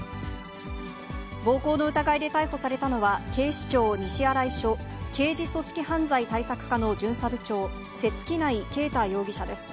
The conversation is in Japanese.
暴行の疑いで逮捕されたのは、警視庁西新井署刑事組織犯罪対策課の巡査部長、瀬月内恵太容疑者です。